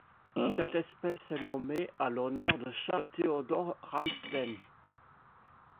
Cette espèce est nommée en l'honneur de Charles Theodore Ramsden.